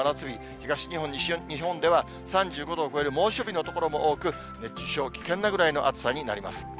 東日本、西日本では、３５度を超える猛暑日の所も多く、熱中症、危険なぐらいの暑さになります。